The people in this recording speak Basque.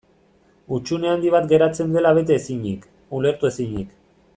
Hutsune handi bat geratzen dela bete ezinik, ulertu ezinik.